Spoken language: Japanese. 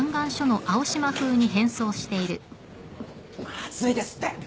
まずいですって。